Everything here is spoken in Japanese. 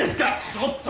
ちょっと。